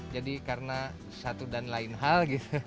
jadi karena satu dan lain hal